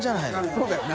そうだよな。